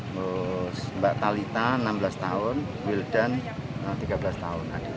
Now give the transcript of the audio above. terus mbak talita enam belas tahun wildan tiga belas tahun